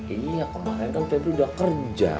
iya kemarin kan pebri udah kerja